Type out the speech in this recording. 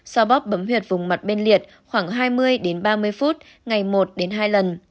so bóp bấm huyệt vùng mặt bên liệt khoảng hai mươi ba mươi phút ngày một hai lần